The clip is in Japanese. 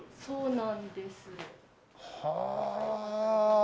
はあ。